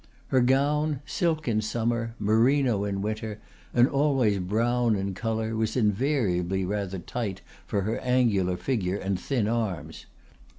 Her gown, silk in summer, merino in winter, and always brown in color, was invariably rather tight for her angular figure and thin arms.